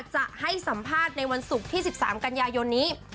จะให้สัมภาษณ์ในวันศุกร์ที่๑๓กันยายนนี้